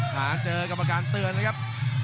หานเจอกับประการเตือนเลยครับ